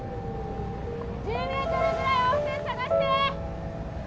１０ｍぐらい奥へ捜して！